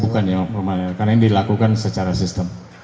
karena ini dilakukan secara sistem